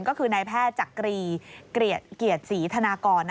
ก็คือนายแพทย์จากกรีเกลียดสีธนากรนะครับ